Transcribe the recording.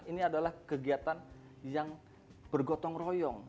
ini adalah kegiatan yang bergotong royong